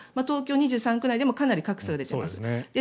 東京２３区内でもかなり格差が出ています。